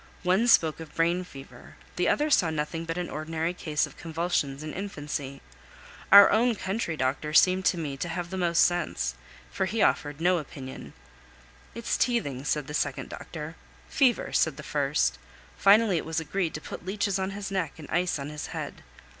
One spoke of brain fever, the other saw nothing but an ordinary case of convulsions in infancy. Our own country doctor seemed to me to have the most sense, for he offered no opinion. "It's teething," said the second doctor. "Fever," said the first. Finally it was agreed to put leeches on his neck and ice on his head.